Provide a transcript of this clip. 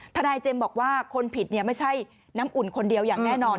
ทนายเจมส์บอกว่าคนผิดไม่ใช่น้ำอุ่นคนเดียวอย่างแน่นอน